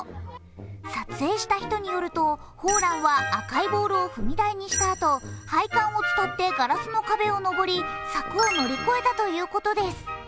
撮影した人によると、萌蘭は赤いボールを踏み台にしたあと配管を伝ってガラスの壁を上り柵を乗り越えたということです。